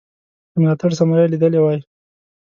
د ملاتړ ثمره یې لیدلې وای.